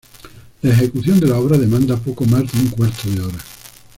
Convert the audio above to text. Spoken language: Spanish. La ejecución de la obra demanda poco más de un cuarto de hora.